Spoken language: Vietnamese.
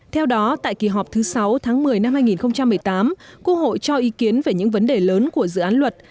theo đó tại kỳ họp thứ sáu tháng một mươi năm hai nghìn một mươi tám quốc hội cho ý kiến về những vấn đề lớn của dự án luật